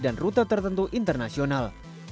dan rute tertentu internasional